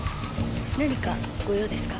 何かご用ですか？